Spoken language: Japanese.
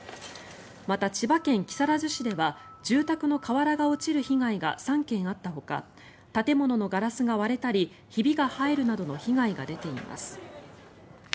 また、千葉県木更津市では住宅の瓦が落ちる被害が３件あったほか建物のガラスが割れたりひびが入るなどの被害が出ています。